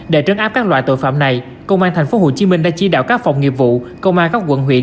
để trấn áp các loại tội phạm này công an tp hcm đã chỉ đạo các phòng nghiệp vụ công an các quận huyện